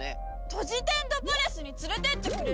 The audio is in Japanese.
トジテンドパレスに連れてってくれる約束だろ！